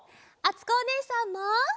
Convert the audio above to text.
あつこおねえさんも。